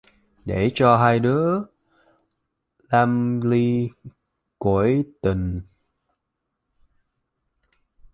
Để cho hai đứa lâm li cõi tình!